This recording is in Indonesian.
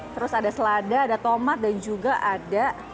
terus ada selada ada tomat dan juga ada